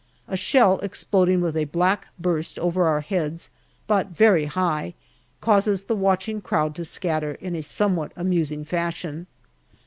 A shell exploding with a black burst over our heads, but very high, causes the watching crowd to scatter in a somewhat amusing fashion.